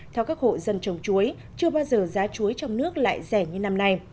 theo các hộ dân trồng chuối chưa bao giờ giá chuối trong nước lại rẻ như năm nay